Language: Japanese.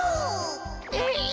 えっ？